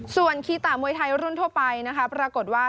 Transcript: ส่วนคีตะมวยไทยรุ่นทั่วไปนะคะปรากฏว่า